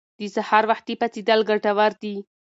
د سهار وختي پاڅیدل ګټور دي.